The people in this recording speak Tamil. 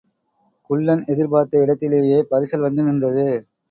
குள்ளன் எதிர்பார்த்த இடத்திலேயே பரிசல் வந்து நின்றது.